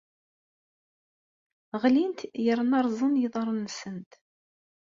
Ɣlint yerna rrẓen yiḍarren-nsent.